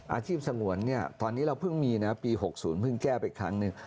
สงวนเนี่ยตอนนี้เราเพิ่งมีนะปี๖๐เพิ่งแก้ไปครั้งหนึ่ง